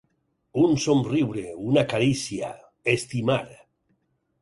Un somriure, una carícia, estimar.